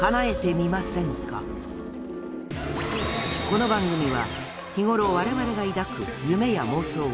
この番組は日頃我々が抱くうわー！